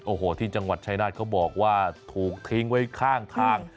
โอ้โหที่จังหวัดชายนาฏเขาบอกว่าถูกทิ้งไว้ข้างทาง